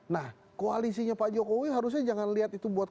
nah koalisinya pak jokowi harusnya jangan lihat itu buat